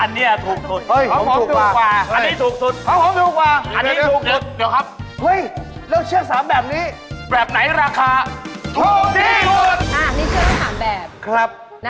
นี่คือเชือกไลลอน